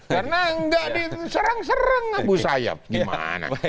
karena enggak diserang serang abu sayyaf gimana